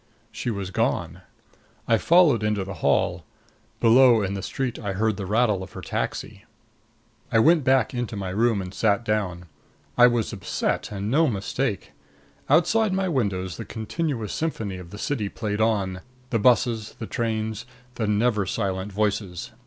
She was gone. I followed into the hall. Below, in the street, I heard the rattle of her taxi. I went back into my room and sat down. I was upset, and no mistake. Outside my windows the continuous symphony of the city played on the busses, the trains, the never silent voices.